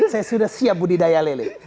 saya sudah siap budidaya lele